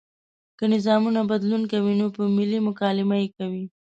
که نظامونه بدلون کوي نو په ملي مکالمه یې کوي.